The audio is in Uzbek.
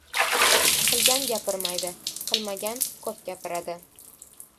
• Qilgan gapirmaydi, qilmagan ko‘p gapiradi.